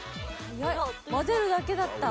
混ぜるだけだった。